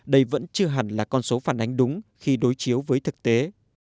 đây vẫn chưa hẳn là con số phản ánh đúng khi đối chiếu với thực tế